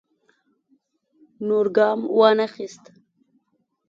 نور ګام وانه خیست.